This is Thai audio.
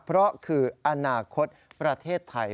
เพราะคืออนาคตประเทศไทย